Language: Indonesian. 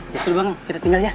ya suruh bang kita tinggal ya